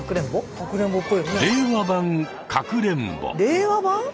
令和版？